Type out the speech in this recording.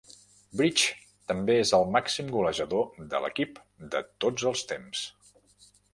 Bridge també és el màxim golejador de l'equip de tots els temps.